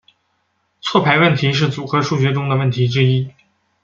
错排问题是组合数学中的问题之一。